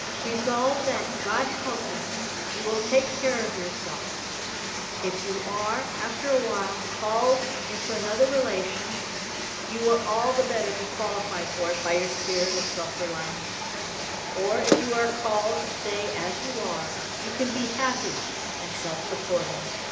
Resolve that, God helping, you will take care of yourself. If you are, after a while, called into another relation, you will all the better be qualified for it by your spirit of self reliance; or if you are called to stay as you are, you can be happy and self supporting.